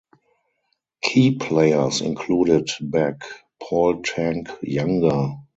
Key players included back Paul "Tank" Younger.